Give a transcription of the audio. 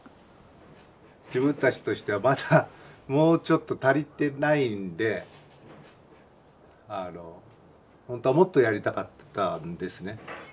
自分たちとしてはまだもうちょっと足りてないんでほんとはもっとやりたかったんですね。